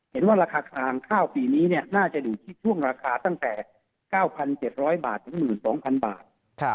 เห็นว่าราคาคลางข้าวปีนี้น่าจะอยู่ที่ช่วงราคาตั้งแต่๙๗๐๐บาทถึง๑๒๐๐๐บาท